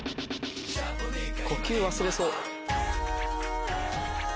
呼吸忘れそう。